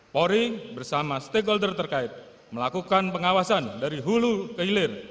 polri bersama stakeholder terkait melakukan pengawasan dari hulu ke hilir